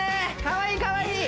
かわいいかわいい！